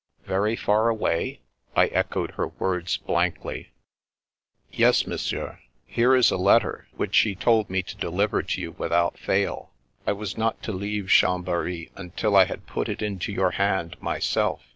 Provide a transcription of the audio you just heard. Very far away? " I echoed her words blankly. Yes, Monsieur. Here is a letter, which he told me to deliver to you without fail. I was not to leave Chambery until I had put it into your hand, myself.